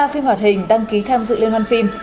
bốn mươi ba phim hoạt hình đăng ký tham dự liên hoan phim